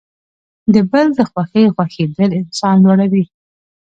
د بل د خوښۍ خوښیدل انسان لوړوي.